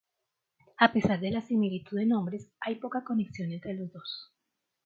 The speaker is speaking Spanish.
A pesar de la similitud de nombres, hay poca conexión entre los dos.